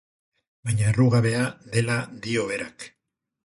Baina errugabea dela dio berak.